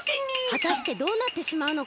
はたしてどうなってしまうのか？